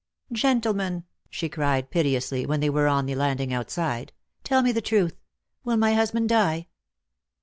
" Gentlemen," she cried piteously, when they were on the landing outside, " tell me the truth ! "Will my husband die